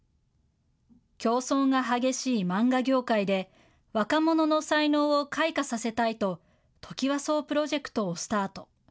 競争が激しい漫画業界で、若者の才能を開花させたいと、トキワ荘プロジェクトをスタート。